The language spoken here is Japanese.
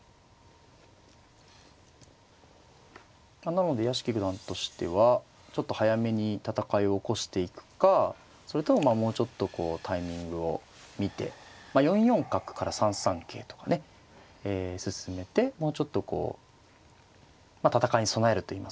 なので屋敷九段としてはちょっと早めに戦いを起こしていくかそれとももうちょっとこうタイミングを見てまあ４四角から３三桂とかね進めてもうちょっとこう戦いに備えるといいますかね。